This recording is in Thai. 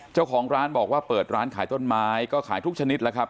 เจ้าของร้านบอกว่าเปิดร้านขายต้นไม้ก็ขายทุกชนิดแล้วครับ